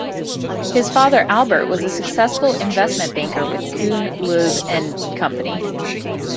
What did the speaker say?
His father Albert was a successful investment banker with Kuhn, Loeb and Company.